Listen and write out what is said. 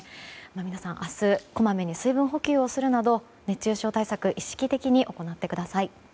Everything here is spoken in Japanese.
皆さん、明日はこまめに水分補給をするなど熱中症対策意識的に行ってください。